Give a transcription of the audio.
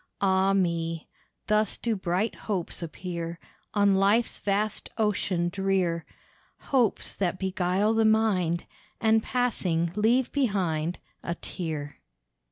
Ah! me. Thus do bright hopes appear On life's vast ocean drear; Hopes that beguile the mind, And passing leave behind A tear.